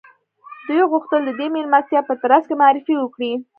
دوی غوښتل د دې مېلمستیا په ترڅ کې معرفي وکړي